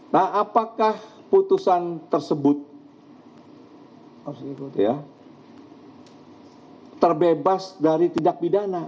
nah apakah putusan tersebut terbebas dari tindak pidana